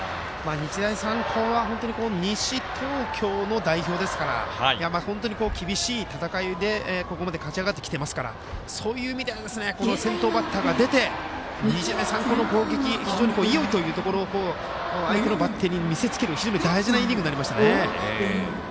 日大三高は本当に、西東京の代表ですから本当に厳しい戦いで、ここまで勝ち上がってきていますからそういう意味では先頭バッターが出て日大三高の攻撃非常に勢いというところを相手のバッテリーに見せつける大事なイニングになりましたね。